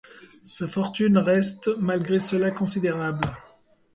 Sa fortune reste malgré cela considérable.